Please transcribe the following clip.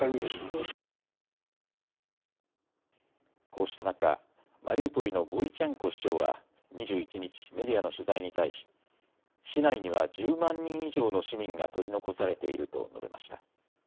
こうした中、マリウポリのボイチェンコ市長は、２１日、メディアの取材に対し市内には１０万人以上の市民が取り残されていると述べました。